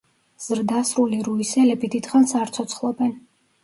ზრდასრული რუისელები დიდხანს არ ცოცხლობენ.